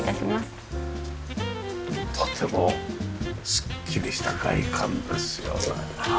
とてもすっきりした外観ですよね。